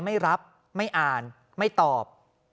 ไม่รับไม่อ่านไม่ตอบ